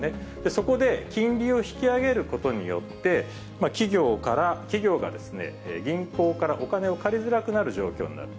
そこで金利を引き上げることによって、企業が銀行からお金を借りづらくなる状況になる。